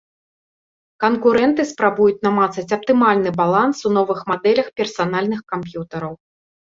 Канкурэнты спрабуюць намацаць аптымальны баланс у новых мадэлях персанальных камп'ютараў.